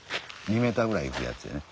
２ｍぐらいいくやつやね。